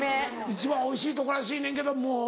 一番おいしいとこらしいねんけど。